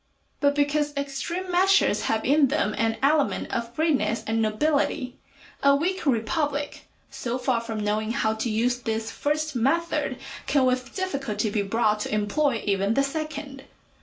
But because extreme measures have in them an element of greatness and nobility, a weak republic, so far from knowing how to use this first method, can with difficulty be brought to employ even the second.